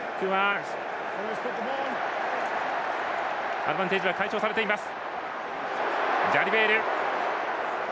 アドバンテージは解消されています。